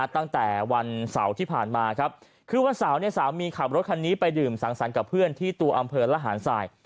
ตั้งแต่วันเสาร์ที่ผ่านมาครับคือวันเสาร์เนี่ยสามีขับรถคันนี้ไปดื่มสังสรรค์กับเพื่อนที่ตัวอำเภอระหารสาย